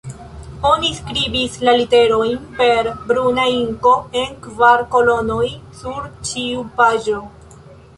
Oni skribis la literojn per bruna inko, en kvar kolonoj sur ĉiu paĝo.